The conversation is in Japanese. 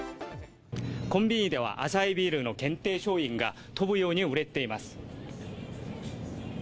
コンビニではアサヒビールの限定商品が飛ぶように売れています。